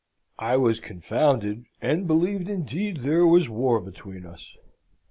I was confounded, and believed, indeed, there was war between us.